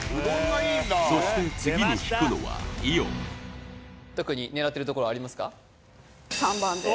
そして次に引くのはイオン特に狙ってるところはありますか？